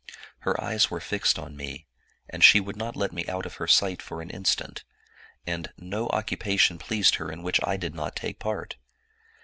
Her eyes were fixed on me, and she would not let me out of her sight for an instant, and no occupation pleased her in which I did not take part.